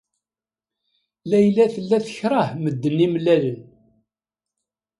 Layla tella tekṛeh medden imellalen.